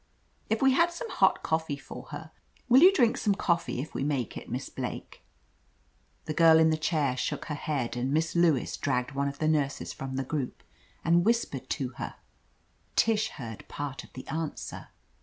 "If we had some hot cofifee for her — ^will you drink some coffee if we make it. Miss Blake ?" The girl in the chair shook her head and Miss Lewis dragged one of the nurses from the group and whispered to hen Tish heard part of the answer.